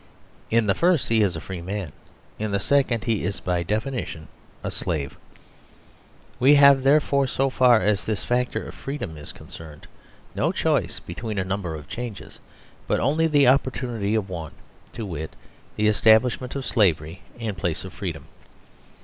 In the first he is a free man; in the second he is by definition a slave. We have, therefore, so far as this factor of freedom is concerned, no choice between a number of changes, but only the oppor tunity of one, to wit, the establishment of slavery in place of freedom.